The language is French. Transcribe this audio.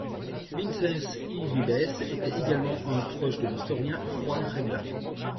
Vicens i Vives était également un proche de l'historien Joan Reglà.